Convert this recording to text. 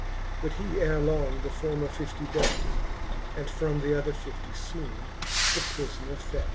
But he ere long the former fiftie bet 5 And from th'other fiftie ibone the prifoner fet.